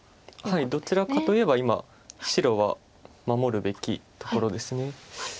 どちらかといえば今白は守るべきところです。